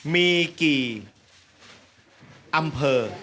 ไม่ธรรมดา